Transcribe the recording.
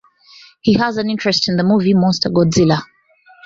He has an interest in the movie monster Godzilla.